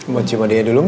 buat jemadanya dulu gak